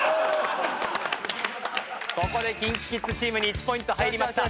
ここでＫｉｎＫｉＫｉｄｓチームに１ポイント入りました。